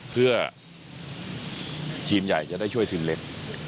เพื่อทีมใหญ่จะได้ช่วยทีมเล็ก